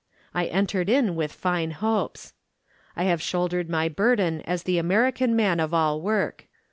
I entered in with fine hopes. I have shouldered my burden as the American man of all work.